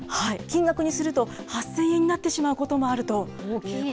金額にすると、８０００円になってしまうこともあると。